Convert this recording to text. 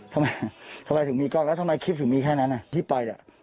ทำไมทำไมถึงมีกล้องแล้วทำไมคลิปถึงมีแค่นั้นที่ไป